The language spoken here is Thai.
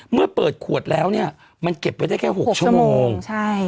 เมื่อเปิดขวดแล้วเนี่ยมันเก็บไว้ได้แค่๖ชั่วโมงใช่